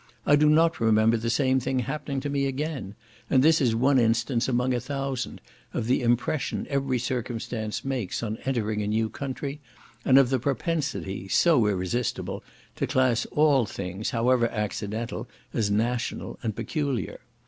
I do not remember the same thing happening to me again, and this is one instance among a thousand, of the impression every circumstance makes on entering a new country, and of the propensity, so irresistible, to class all things, however accidental, as national and peculiar.